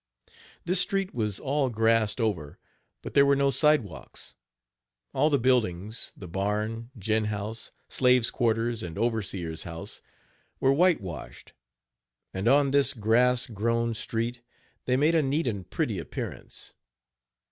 This street was all grassed over, but there were no sidewalks. All the buildings the barn, gin house, slaves' quarters and overseers' house were whitewashed, and on this grass grown street they made a neat and pretty appearance.